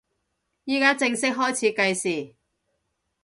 依家正式開始計時